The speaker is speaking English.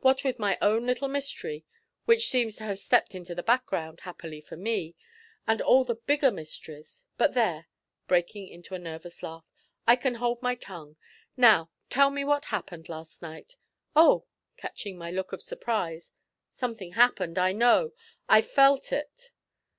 What with my own little mystery, which seems to have stepped into the background, happily for me, and all the bigger mysteries but there,' breaking into a nervous laugh, 'I can hold my tongue. Now tell me what happened last night. Oh!' catching my look of surprise, 'something happened, I know. I felt it.'